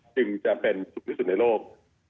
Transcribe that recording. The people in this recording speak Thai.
จึงจะเป็นสุขที่สุดในโลก